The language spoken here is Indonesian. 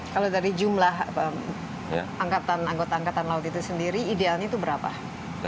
kalau dari jumlah anggota angkatan laut itu sendiri idealnya itu berapa